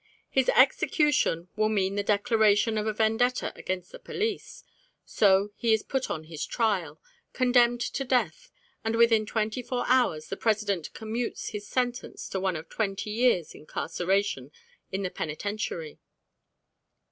His execution will mean the declaration of a vendetta against the police. So he is put on his trial, condemned to death, and within twenty four hours the President commutes his sentence to one of twenty years' incarceration in the Penitentiary.